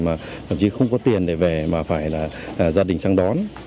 mà thậm chí không có tiền để về mà phải là gia đình sang đón